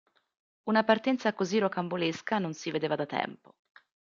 Una partenza così rocambolesca non si vedeva da tempo.